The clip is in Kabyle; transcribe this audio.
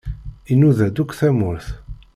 Inuda-d akk tamurt.